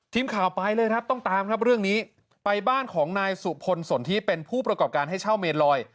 ทีมข่าวไปเลยครับต้องตามครับเรื่องนี้ไปบ้านของนายสุพลสนทิเป็นผู้ประกอบการให้เช่าเมนลอย